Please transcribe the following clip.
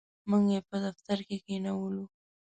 موږ یې په دفتر کې کښېنولو.